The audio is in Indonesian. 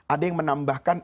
ada yang menambahkan